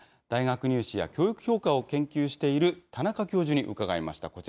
大学入試や教育評価を研究している田中教授に伺いました。